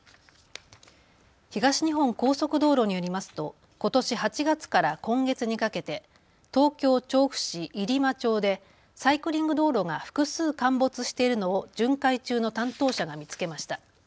東日本高速道路によりますとことし８月から今月にかけて東京調布市入間町でサイクリング道路が複数、陥没しているのを巡回中の担当者が見つけました。